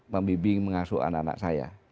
membimbing mengasuh anak anak saya